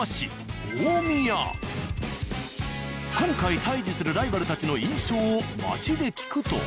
今回対峙するライバルたちの印象を街で聞くと。